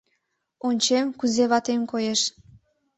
Ончем, кузе ватем коеш.